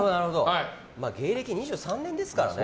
芸歴２３年ですからね。